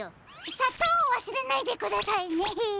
さとうをわすれないでくださいね。